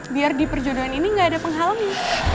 biar di perjodohan ini gak ada penghalangi